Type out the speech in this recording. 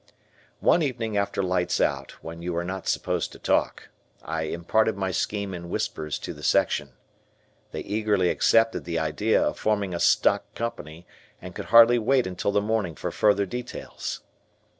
One evening after "Lights out," when you are not supposed to talk, I imparted my scheme in whispers to the section. They eagerly accepted the idea of forming a Stock Company and could hardly wait until the morning for further details.